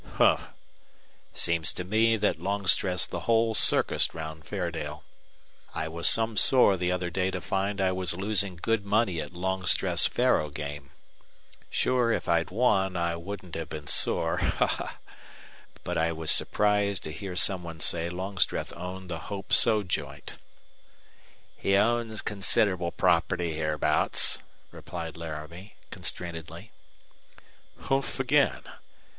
"Humph! Seems to me that Longstreth's the whole circus round Fairdale. I was some sore the other day to find I was losing good money at Longstreth's faro game. Sure if I'd won I wouldn't have been sore ha, ha! But I was surprised to hear some one say Longstreth owned the Hope So joint." "He owns considerable property hereabouts," replied Laramie, constrainedly. "Humph again!